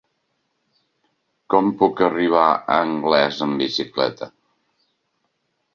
Com puc arribar a Anglès amb bicicleta?